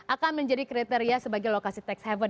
akan menjadi kriteria sebagai lokasi tax haven